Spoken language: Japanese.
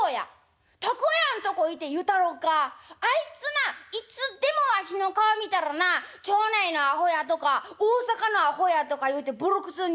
あいつないつでもわしの顔見たらな町内のアホやとか大阪のアホやとか言うてボロクソに言うさかいなええ？